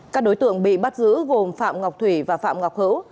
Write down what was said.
các đối tượng bị bắt giữ gồm phạm ngọc thủy và phạm ngọc hữu